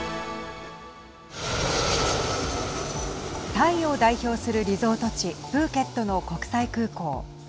タイを代表するリゾート地プーケットの国際空港。